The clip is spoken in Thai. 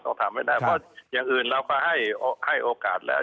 ทำให้ได้เพราะอย่างอื่นเราก็ให้โอกาสแล้ว